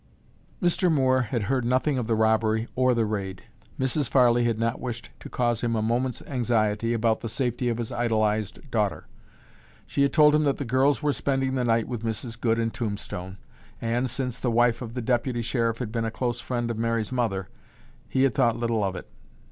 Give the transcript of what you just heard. Mr. Moore had heard nothing of the robbery or the raid. Mrs. Farley had not wished to cause him a moment's anxiety about the safety of his idolized daughter. She had told him that the girls were spending the night with Mrs. Goode in Tombstone, and, since the wife of the Deputy Sheriff had been a close friend of Mary's mother, he had thought little of it.